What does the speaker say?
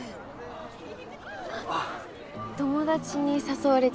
あっ友達に誘われちゃって。